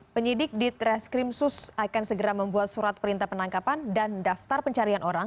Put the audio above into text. penyidik di treskrimsus akan segera membuat surat perintah penangkapan dan daftar pencarian orang